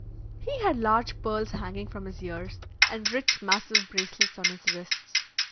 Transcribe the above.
He had large pearls hanging from his ears, and rich massive bracelets on his wrists.